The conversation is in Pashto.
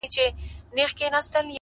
په هغه ورځ به بس زما اختر وي!